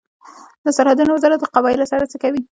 د سرحدونو وزارت له قبایلو سره څه کوي؟